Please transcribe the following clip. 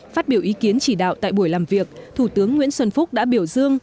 phát biểu ý kiến chỉ đạo tại buổi làm việc thủ tướng nguyễn xuân phúc đã biểu dương